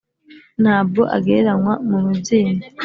Nta bwo agereranywa mu mubyimba: